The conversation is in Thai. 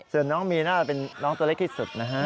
ส่วนน้องมีน่าเป็นน้องตัวเล็กที่สุดนะฮะ